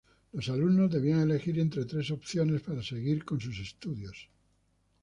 Los alumnos debían elegir entre tres opciones para seguir con sus estudios.